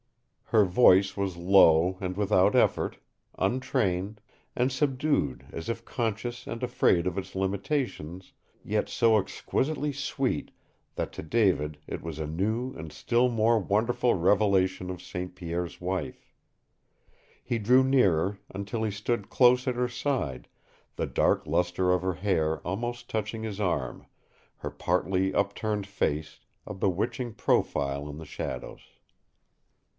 Her voice was low and without effort, untrained, and subdued as if conscious and afraid of its limitations, yet so exquisitely sweet that to David it was a new and still more wonderful revelation of St. Pierre's wife. He drew nearer, until he stood close at her side, the dark luster of her hair almost touching his arm, her partly upturned face a bewitching profile in the shadows.